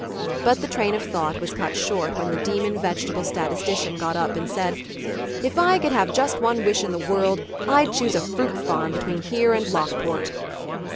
But the train of thought was cut short when the demon vegetable statistician got up and said, "If I could have just one wish in the world, I'd choose a fruit farm between here and Lockport."